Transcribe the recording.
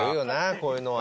こういうのは。